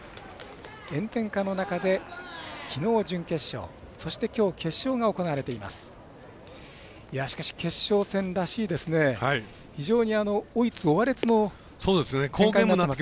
炎天下の中で、きのう準決勝そしてきょう、決勝が行われています。